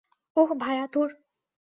ওহ, ভায়া, ধুর।